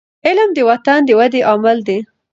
علم د وطن د ودي عامل دی.